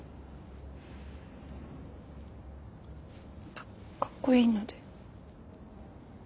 かっかっこいいので。